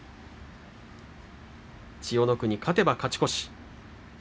千代の国、勝てば勝ち越し。